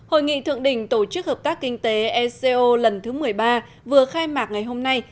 hội nghị thượng đỉnh tổ chức hợp tác kinh tế eco lần thứ một mươi ba vừa khai mạc ngày hôm nay